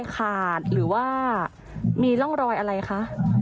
ขาดหรือว่ามีร่องรอยอะไรคะ